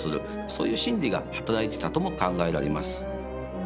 そういう心理が働いてたとも考えられます。